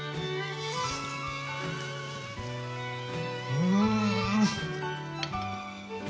うん！